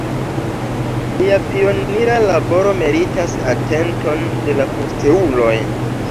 Lia pionira laboro meritas atenton de la posteuloj.